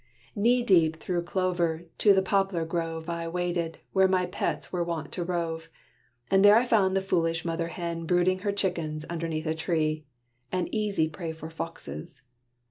Knee deep, through clover, to the poplar grove, I waded, where my pets were wont to rove: And there I found the foolish mother hen Brooding her chickens underneath a tree, An easy prey for foxes.